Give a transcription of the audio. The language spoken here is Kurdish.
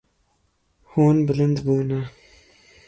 Hûn bilind bûne.